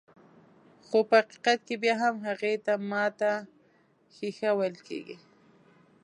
خو په حقيقت کې بيا هم هغې ته ماته ښيښه ويل کيږي.